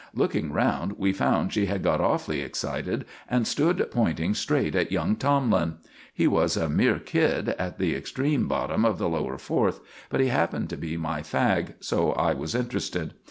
Looking round, we found she had got awfully excited, and stood pointing straight at young Tomlin. He was a mere kid, at the extreme bottom of the Lower Fourth; but he happened to be my fag, so I was interested.